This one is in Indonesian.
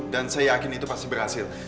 dan saya yakin itu pasti berhasil